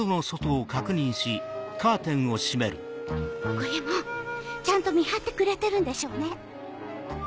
五ェ門ちゃんと見張ってくれてるんでしょうね！